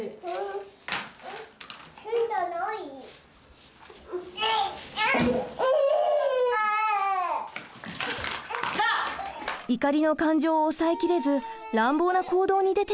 怒りの感情を抑えきれず乱暴な行動に出てしまいました。